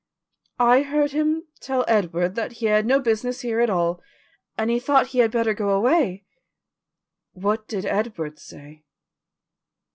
"I heard him tell Edward that he had no business here at all, and he thought he had better go away." "What did Edward say?"